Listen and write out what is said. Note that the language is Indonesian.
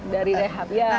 dari rehab ya